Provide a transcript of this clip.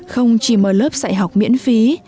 không chỉ mở lớp dạy học miễn phí